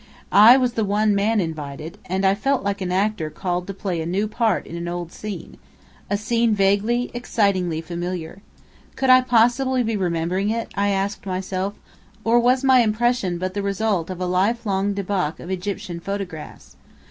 I was the one man invited, and I felt like an actor called to play a new part in an old scene, a scene vaguely, excitingly familiar. Could I possibly be remembering it, I asked myself, or was my impression but the result of a life long debauch of Egyptian photographs?